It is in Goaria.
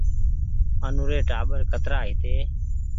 آنو ري ٽآٻر ڪترآ هيتي